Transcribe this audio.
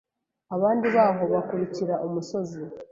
Abandi baho bakurikira umusozi